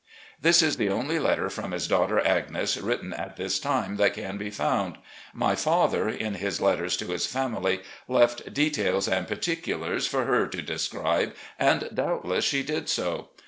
This is the only letter from his daughter Agnes, written at this time, that can be fotmd. My father, in his letters to his family, left "details" and "particulars" for her to describe, and doubtless she did so.